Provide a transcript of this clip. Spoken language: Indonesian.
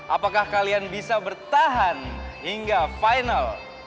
apakah kalian bisa bertahan hingga final